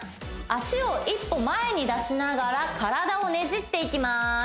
脚を１歩前に出しながら体をねじっていきます